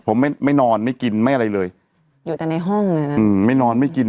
ผมไม่ไม่นอนไม่กินไม่อะไรเลยอยู่แต่ในห้องเลยนะอืมไม่นอนไม่กิน